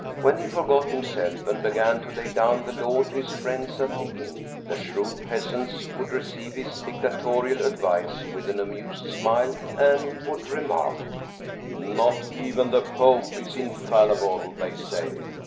When he forgot himself and began to lay down the law to his friends at the inn, the shrewd peasants would receive his dictatorial advice with an amused smile, and would remark :" Not even the Pope is infallible, they say.